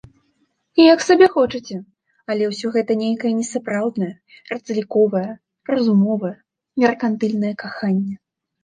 Як сабе хочаце, але ўсё гэта нейкае несапраўднае, разліковае, разумовае, меркантыльнае каханне.